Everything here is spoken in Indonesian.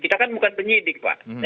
kita kan bukan penyidik pak